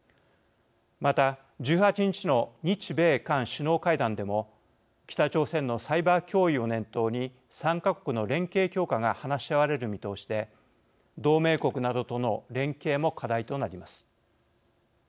また１８日の日米韓首脳会談でも北朝鮮のサイバー脅威を念頭に３か国の連携強化が話し合われる見通しで同盟国などとの連携も課題となります。